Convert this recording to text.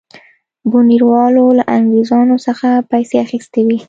بونیروالو له انګرېزانو څخه پیسې اخیستې وې.